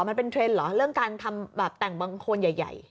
มันเป็นเทรนด์เหรอเรื่องการทำแบบแต่งบางคนใหญ่